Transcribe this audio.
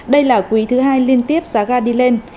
đây là quý thứ hai liên tiếp giá ga đi lên